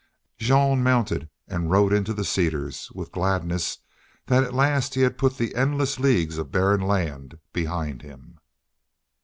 Jean mounted and rode into the cedars with gladness that at last he had put the endless leagues of barren land behind him.